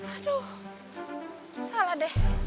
aduh salah deh